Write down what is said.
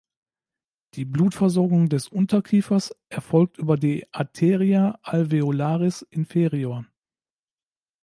Die Blutversorgung des Unterkiefers erfolgt über die "Arteria alveolaris inferior".